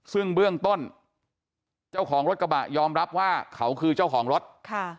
ซึ่งเบื้องต้นเจ้าของรถกระบะยอมรับว่าเขาคือเจ้าของรถ